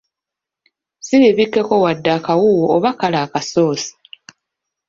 Si bibikekko wadde akawuuwo oba kale akasoosi!